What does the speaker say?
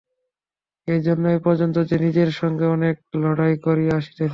এজন্য এ পর্যন্ত সে নিজের সঙ্গে অনেক লড়াই করিয়া আসিতেছে।